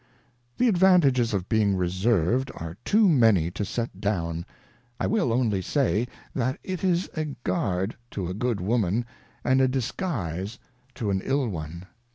The advanta^s ofJ)ging xS§&WSf^ ^^e too many to set down, I will only say, that it is a Guard to a good Woman, and a Disguise to an ill one.